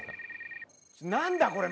何だこれ？